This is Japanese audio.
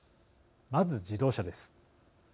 まず、自動車です。